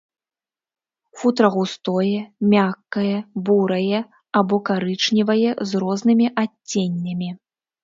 Футра густое, мяккае, бурае або карычневае з рознымі адценнямі.